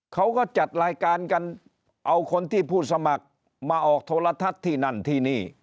เขาก็จัดรายการกันเอาคนที่ผู้สมัครมาออกโทรทัศน์ที่นั่นที่นี่